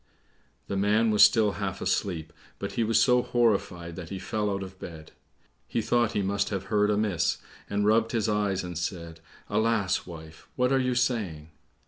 The man was still half asleep, but he was so horrified that he fell out of bed. He thought he must have heard amiss, and rubbed his eyes, and said, "Alas, wife, what are you saying?"